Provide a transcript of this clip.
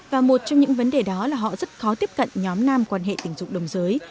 và một trong những vấn đề đó là họ rất khó tiếp cận nhóm nam quan hệ tình dục đồng giới